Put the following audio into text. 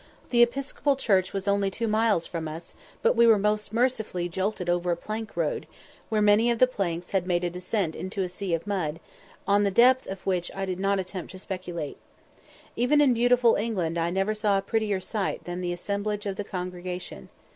"] The Episcopal church was only two miles from us, but we were most mercilessly jolted over a plank road, where many of the planks had made a descent into a sea of mud, on the depth of which I did not attempt to speculate. Even in beautiful England I never saw a prettier sight than the assembling of the congregation.